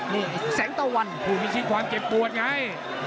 นี่แสงตะวันผู้พิชิตความเจ็บปวดไง